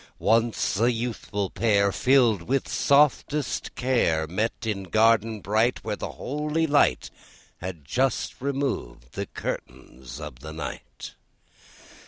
Once a youthful pair, Filled with softest care, Met in garden bright Where the holy light Had just removed the curtains of the night.